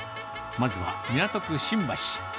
まずは港区新橋。